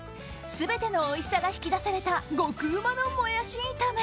全てのおいしさが引き出された極うまのモヤシ炒め。